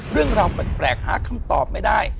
เรื่องราวแปลกหาคำตอบไม่ได้